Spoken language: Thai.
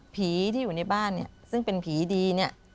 ที่อยู่ในบ้านเนี่ยซึ่งเป็นผีดีเนี่ย